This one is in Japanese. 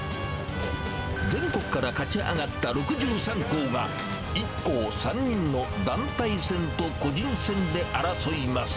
全国から勝ち上がった６３校が、１校３人の団体戦と個人戦で争います。